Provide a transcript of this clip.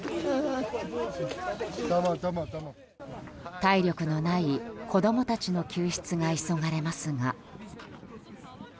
体力のない子供たちの救出が急がれますが。